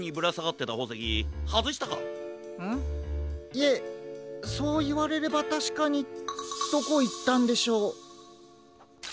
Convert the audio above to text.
いえそういわれればたしかにどこいったんでしょう。